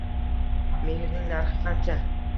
Mehrning narxi qancha?